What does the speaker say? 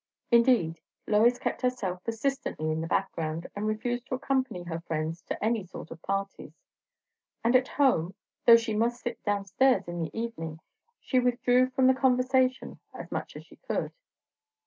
Indeed, Lois kept herself persistently in the background, and refused to accompany her friends to any sort of parties; and at home, though she must sit down stairs in the evening, she withdrew from the conversation as much as she could.